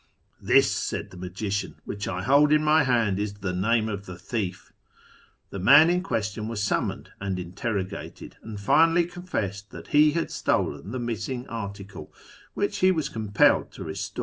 ' This,' said the magician, ' which ' hold in my hand is the name of the thief.' The man n question was summoned and interrogated, and finally con lissed that he had stolen the missing article, which he was ompelled to restore."